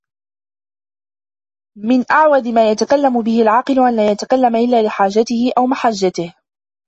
مِنْ أَعْوَذِ مَا يَتَكَلَّمُ بِهِ الْعَاقِلُ أَنْ لَا يَتَكَلَّمَ إلَّا لِحَاجَتِهِ أَوْ مَحَجَّتِهِ